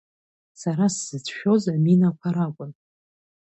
Сара сзыцәшәоз аминақәа ракәын.